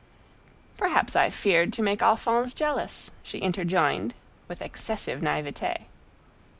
_'" "Perhaps I feared to make Alphonse jealous," she interjoined, with excessive naïveté.